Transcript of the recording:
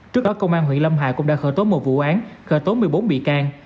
trước đó công an huyện lâm hà cũng đã khởi tố một vụ án khởi tố một mươi bốn bị can